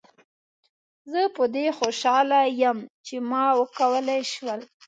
زه په دې خوشحاله یم چې ما وکولای شول.